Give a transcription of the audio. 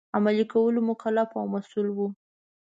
عملي کولو مکلف او مسوول وو.